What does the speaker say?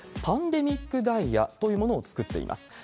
パンデミックダイヤというものを作っています。